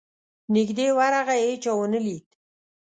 نیژدې ورغی هېچا ونه لید.